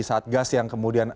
saat gas yang kemudian